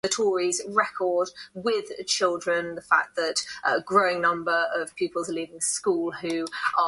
One of the titles carried by Britain's Hanoverian kings was Duke of Brunswick-Lunenburg.